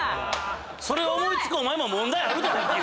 それを思い付くお前も問題あるで！